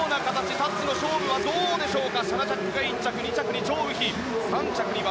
タッチの勝負はどうでしょうか。